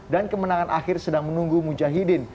dan kemenangan akhir sedang menunggu mujahideen